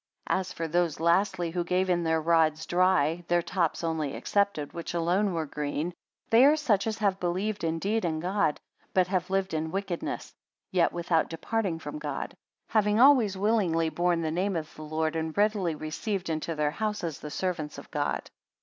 77 As for those, lastly, who gave in their rods dry, their tops only excepted, which alone were green; they are such as have believed indeed in God, but have lived in wickedness; yet without departing from God: having always willingly borne the name of the Lord, and readily received into their houses the servants of God.